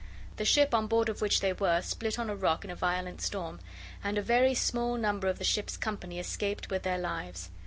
The ship on board of which they were split on a rock in a violent storm, and a very small number of the ship's company escaped with their lives.